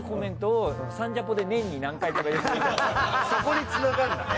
そこにつながるんだね。